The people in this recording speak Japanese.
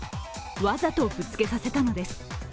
わざと、ぶつけさせたのです。